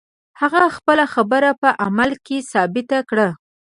هغه خپله خبره په عمل کې ثابته کړه.